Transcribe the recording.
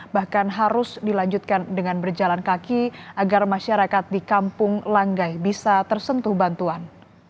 bahkan harus dilanjutkan dengan berjalan kaki agar masyarakat di kampung langgai bisa tersentuh bantuan